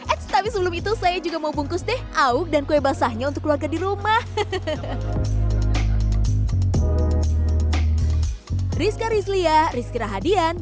eits tapi sebelum itu saya juga mau bungkus deh awuk dan kue basahnya untuk keluarga di rumah